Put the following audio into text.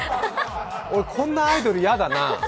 俺、こんなアイドル、嫌だな。